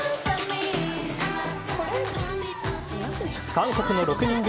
韓国の６人組